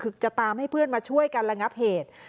คือจะตามให้เพื่อนมาช่วยกันระงับเหตุ